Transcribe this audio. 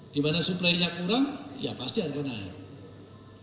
di mana suplainya kurang ya pasti ada bencana air